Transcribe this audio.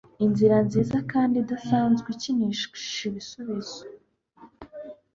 Inzira nziza kandi idasanzwe ikinisha ibisubizo